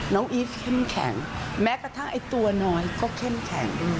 อีฟเข้มแข็งแม้กระทั่งไอ้ตัวน้อยก็เข้มแข็งด้วย